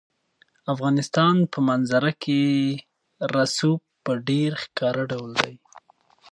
د افغانستان په منظره کې رسوب په ډېر ښکاره ډول دي.